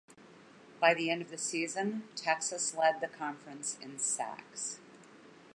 By the end of the season, Texas led the conference in sacks.